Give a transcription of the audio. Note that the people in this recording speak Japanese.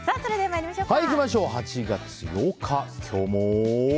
８月８日、今日も。